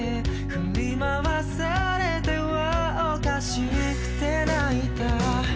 「振り回されては可笑しくて泣いた」